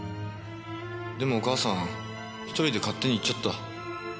でもお母さん１人で勝手に行っちゃった。